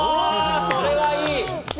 それは、いい！